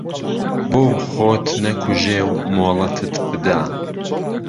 بۆ خۆت نهکووژێ و مۆڵهتت بدا